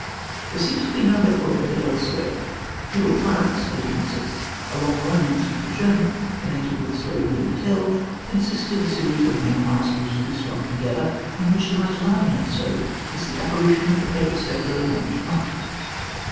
There seems to be no record of it elsewhere. Feudal Tyrants (1806), a long romance from the German, connected with the story of William Tell, consists of a series of memoirs loosely strung together, in which the most alarming episode is the apparition of the pale spectre of an aged monk.